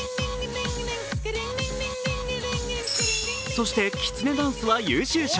そして、きつねダンスは優秀賞。